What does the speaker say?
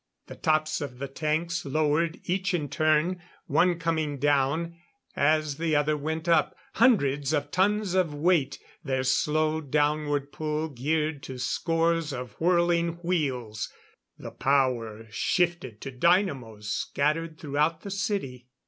The tops of the tanks lowered, each in turn, one coming down as the other went up hundreds of tons of weight their slow downward pull geared to scores of whirling wheels the power shifted to dynamos scattered throughout the city.